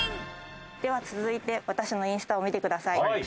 では続いて私のインスタを見てください。